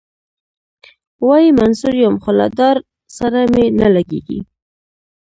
وايي منصور یم خو له دار سره مي نه لګیږي.